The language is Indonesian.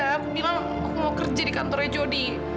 saya bilang aku mau kerja di kantornya jody